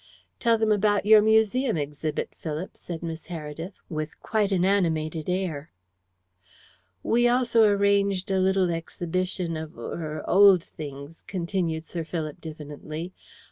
"Tell them about your museum exhibit, Philip," said Miss Heredith, with quite an animated air. "We also arranged a little exhibition of er old things," continued Sir Philip diffidently.